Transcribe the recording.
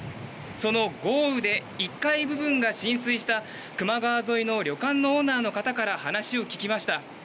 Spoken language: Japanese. その豪雨で１階部分が浸水した球磨川沿いの旅館のオーナーの方から話を聞きました。